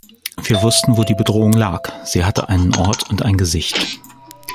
Wir wussten, wo die Bedrohung lag, sie hatte einen Ort und ein Gesicht.